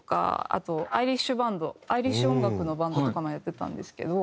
あとアイリッシュバンドアイリッシュ音楽のバンドとかもやってたんですけど。